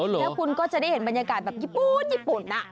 แล้วคุณก็จะได้เห็นบรรยากาศแบบญี่ปุ่นญี่ปุ่น